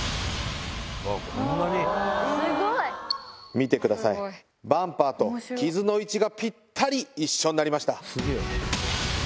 見てくださいバンパーと傷の位置がぴったり一緒になりました。